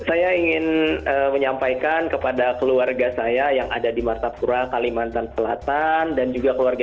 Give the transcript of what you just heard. iya karena tidak bisa berjabat tangan langsung sungkeman langsung